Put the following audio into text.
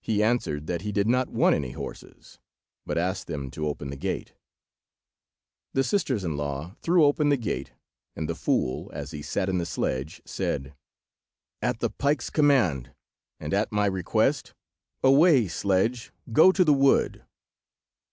He answered that he did not want any horses, but asked them to open the gate. The sisters in law threw open the gate, and the fool, as he sat in the sledge, said— "At the pike's command, and at my request, away, sledge, go to the wood."